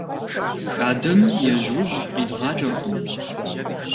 Хадэм ежьужь къидгъакӀэркъым.